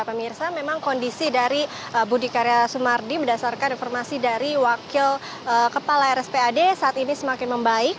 pemirsa memang kondisi dari budi karya sumardi berdasarkan informasi dari wakil kepala rspad saat ini semakin membaik